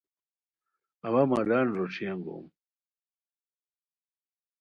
اوا مالان روݯھی انگوم